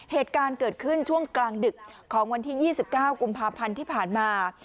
เหตุการณ์เกิดขึ้นช่วงกลางดึกของวันที่๒๙กุมภาพันธ์ที่ผ่านมา